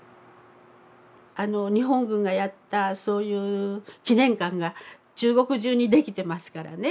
あの日本軍がやったそういう記念館が中国中に出来てますからね。